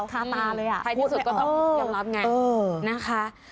ท้าตาเลยใครที่สุดก็ต้องยอมรับไง